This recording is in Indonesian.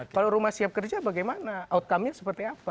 kalau rumah siap kerja bagaimana outcome nya seperti apa